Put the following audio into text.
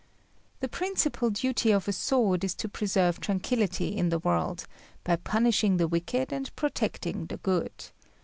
The principal duty of a sword is to preserve tranquillity in the world, by punishing the wicked and protecting the good.